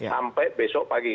sampai besok pagi